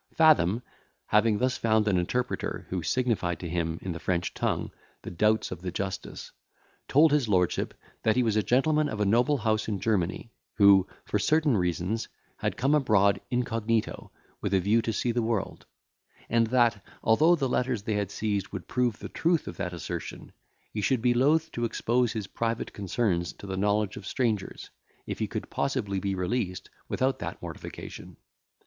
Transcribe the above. Fathom, having thus found an interpreter, who signified to him, in the French tongue, the doubts of the justice, told his lordship, that he was a gentleman of a noble house in Germany, who, for certain reasons, had come abroad incognito, with a view to see the world; and that, although the letters they had seized would prove the truth of that assertion, he should be loth to expose his private concerns to the knowledge of strangers, if he could possibly be released without that mortification.